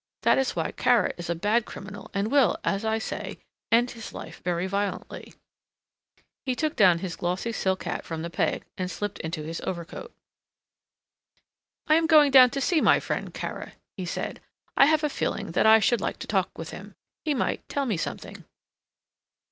That is why Kara is a bad criminal and will, as I say, end his life very violently." He took down his glossy silk hat from the peg and slipped into his overcoat. "I am going down to see my friend Kara," he said. "I have a feeling that I should like to talk with him. He might tell me something."